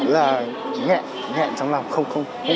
là nghẹn trong lòng